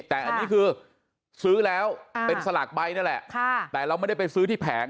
แต่อันนี้คือซื้อแล้วเป็นสลากใบนั่นแหละแต่เราไม่ได้ไปซื้อที่แผง